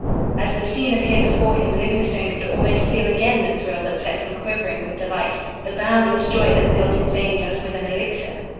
As the scene appeared before him Livingstone could almost feel again the thrill that set him quivering with delight; the boundless joy that filled his veins as with an elixir.